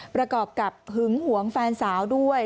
ประกอบกับหึงหวงแฟนสาวด้วย